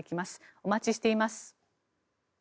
お待ちしています。